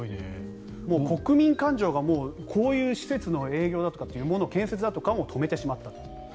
国民感情がこういう施設の営業だとか建設だとか求めてしまった。